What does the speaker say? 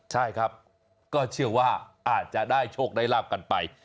ใช่ครับก็เชื่อว่าอาจจะได้โชคได้ลาบกันไป